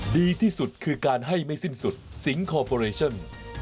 ดีที่สุดคือการให้ไม่สิ้นสุดสิงคอร์ปอเรชั่น